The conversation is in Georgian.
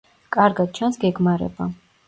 კარგად ჩანს გეგმარება.